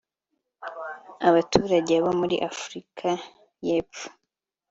Abaturage bo muri Afrika y’Epfo